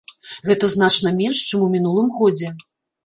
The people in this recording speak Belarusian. Гэта значна менш, чым у мінулым годзе.